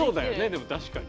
でも確かに。